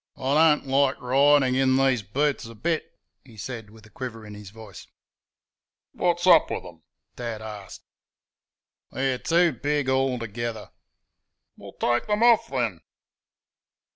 "I don't like ridin' in these boots a bit," he said, with a quiver in his voice. "Wot's up with 'em?" Dad asked. "They're too big altogether." "Well, take 'em off then!"